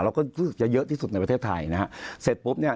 ก็จะเยอะที่สุดในประเทศไทยนะฮะเสร็จปุ๊บเนี่ย